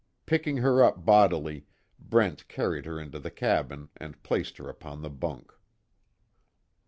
Picking her up bodily, Brent carried her into the cabin and placed her upon the bunk.